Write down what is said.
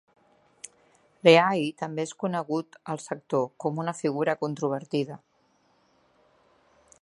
Leahy també és conegut al sector com una figura controvertida.